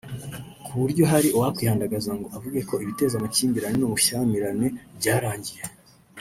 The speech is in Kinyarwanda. ku buryo hari uwakwihandagaza ngo avugeko ibiteza amakimbirane n’ubushyamirane byarangiye